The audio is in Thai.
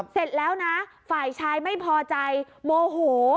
เสร็จแล้วนะฝ่ายชายไม่พอใจโมโห